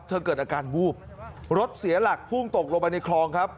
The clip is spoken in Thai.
เกิดอาการวูบรถเสียหลักพุ่งตกลงไปในคลองครับ